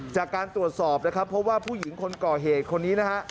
จากการตรวจสอบนะครับเพราะว่าผู้หญิงคนก่อเหตุคนนี้นะฮะ